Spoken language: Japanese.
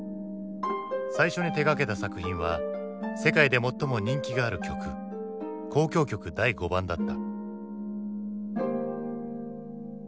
最初に手がけた作品は世界で最も人気がある曲「交響曲第５番」だった。